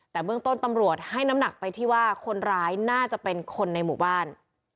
แต่เบื้องต้นตำรวจให้น้ำหนักไปที่ว่าคนร้ายน่าจะเป็นคนในหมู่บ้าน